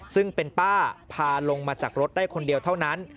ซึ่งเป็นป้าพาลงมาจากรถได้คนเดียวเท่านั้น